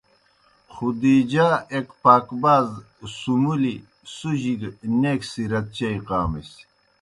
خدیجہؓ ایک پاکباز، سُمُلیْ، سُجیْ گہ نیک سیرت چیئی قامِس۔